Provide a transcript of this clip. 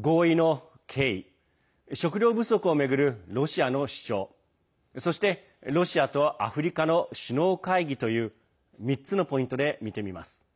合意の経緯食料不足を巡るロシアの主張そしてロシアとアフリカの首脳会議という３つのポイントで見てみます。